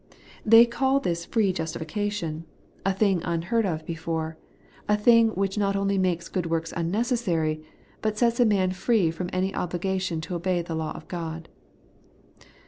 They call this free justification, a thing The Pardon and the Peace made sure, 157 unheard of before, — a thing which not only makes good works unnecessary, but sets a man free from any obligation to obey the law of God.